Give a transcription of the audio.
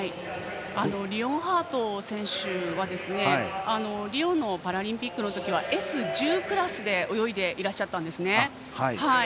リオンハート選手はリオのパラリンピックのときはＳ１０クラスで泳いでいらっしゃったんですね。